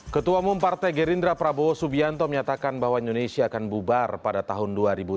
ketua umum partai gerindra prabowo subianto menyatakan bahwa indonesia akan bubar pada tahun dua ribu dua puluh